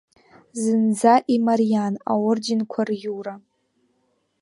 Зынӡа имариан аорденқәа риура.